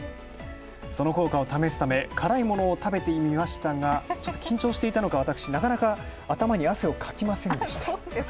その効果を試すため、辛いものを食べてみましたがちょっと緊張していたのか私、なかなか頭に汗をかきませんでした。